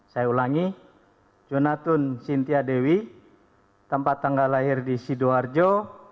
saya ulangi jonatun sintiadewi tempat tanggal lahir di sidoarjo